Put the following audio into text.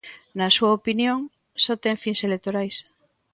Na súa opinión, só ten fins electorais.